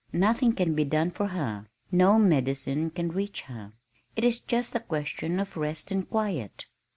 Nothing can be done for her. No medicine can reach her. It is just a question of rest and quiet."